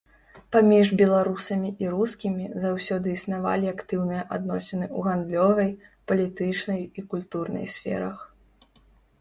Паміж беларусамі і рускімі заўсёды існавалі актыўныя адносіны ў гандлёвай, палітычнай і культурнай сферах.